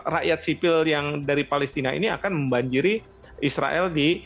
rakyat sipil yang dari palestina ini akan membanjiri israel di